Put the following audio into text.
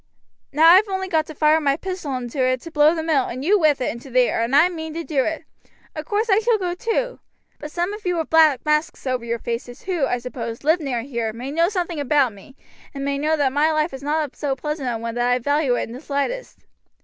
Now I have only got to fire my pistol into it to blow the mill, and you with it, into the air, and I mean to do it. Of course I shall go too; but some of you with black masks over your faces, who, I suppose, live near here, may know something about me, and may know that my life is not so pleasant a one that I value it in the slightest.